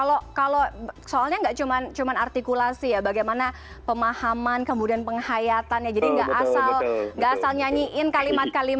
kalau soalnya nggak cuma artikulasi ya bagaimana pemahaman kemudian penghayatan ya jadi nggak asal nyanyiin kalimat kalimat